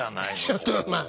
ちょっとまあ。